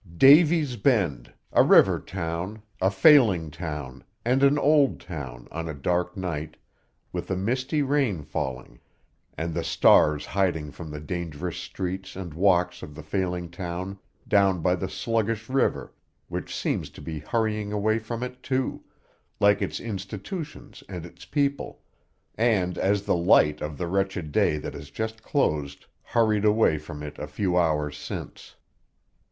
Davy's Bend a river town, a failing town, and an old town, on a dark night, with a misty rain falling, and the stars hiding from the dangerous streets and walks of the failing town down by the sluggish river which seems to be hurrying away from it, too, like its institutions and its people, and as the light of the wretched day that has just closed hurried away from it a few hours since.